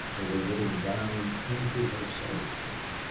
They were getting down into her soul.